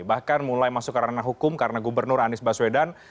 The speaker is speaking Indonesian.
bahkan mulai masuk ke ranah hukum karena gubernur anies baswedan